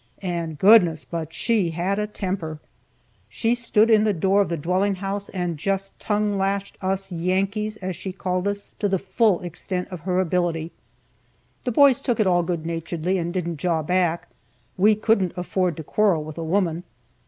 And goodness, but she had a temper! She stood in the door of the dwelling house, and just tongue lashed us "Yankees," as she called us, to the full extent of her ability. The boys took it all good naturedly, and didn't jaw back. We couldn't afford to quarrel with a woman.